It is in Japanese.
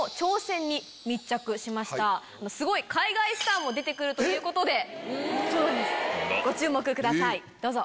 すごい海外スターも出て来るということでご注目ください。